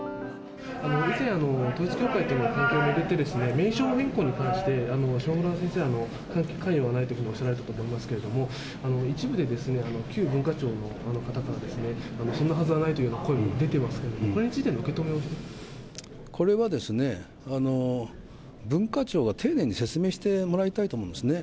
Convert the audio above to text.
以前、統一教会との関係を巡って、名称変更に関して、下村先生は関与はないというふうにおっしゃられたことがありますけれども、一部で旧文化庁の方から、そんなはずはないというふうな声も出てますけれども、これについこれは、文化庁が丁寧に説明してもらいたいと思うんですね。